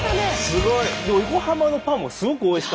すごい。